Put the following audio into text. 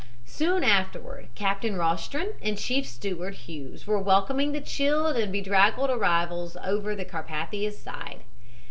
"Soon afterward Captain Rostron and Chief Steward Hughes were welcoming the chilled and bedraggled arrivals over the Carpathia's side.